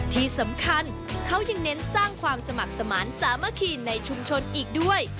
ที่สำคัญเขายังเน้นสร้างความสมัครสมานสามัคคีในชุมชนอีกด้วย